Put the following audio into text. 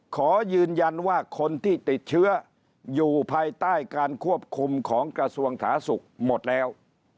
ขอยืนยันว่าคนที่ติดเชื้ออยู่ภายใต้การควบคุมของกระทรวงสาธารณสุขหมดแล้ว